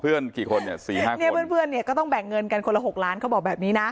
เพื่อนกี่คนเนี่ย๔๕คนเนี่ยเพื่อนก็ต้องแบ่งเงินกันคนละ๖ล้านบาทเขาบอกแบบนี้นะ